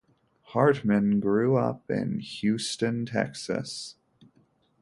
Hartman grew up in Houston, Texas.